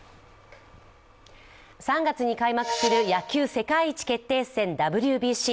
３月に開幕する野球世界一決定戦ＷＢＣ。